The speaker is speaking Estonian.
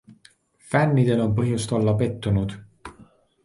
Fännidel on põhjust olla pettunud.